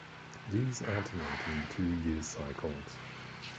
These alternate in two-year cycles.